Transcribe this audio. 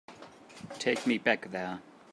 Take me back there.